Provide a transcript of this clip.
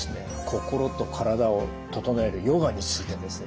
心と体を整えるヨガについてです。